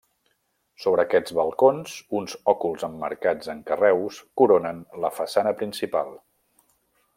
Sobre aquests balcons uns òculs emmarcats en carreus coronen la façana principal.